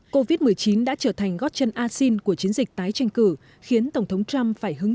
covid một mươi chín đã trở thành gót chân asin của chiến dịch tái tranh cử khiến tổng thống trump phải hứng